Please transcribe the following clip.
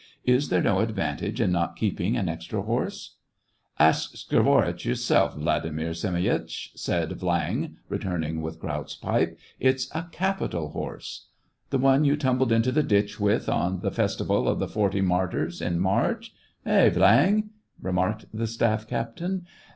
*' Is there no advantage in not keeping an extra horse .?" "Ask Skvoretz yourself, Vladimir Semyonitch !" said Viang, returning with Kraut's pipe. "It's a capital horse." " The one you tumbled into the ditch with, on the festival of the forty martyrs, in March .^ Hey ! Viang }" remarked the staff captain.